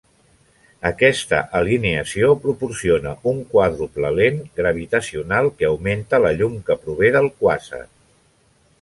Aquesta alineació proporciona una quàdruple lent gravitacional que augmenta la llum que prové del quàsar.